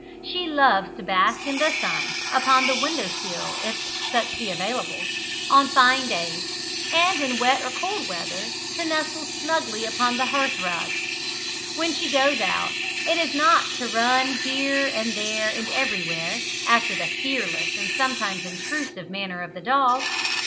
She loves to bask in the sun, upon the window sill if such be available, on fine days, and in wet or cold weather to nestle snugly upon the hearthrug. When she goes out, it is not to run here and there and everywhere, after the fearless and sometimes intrusive manner of the dog.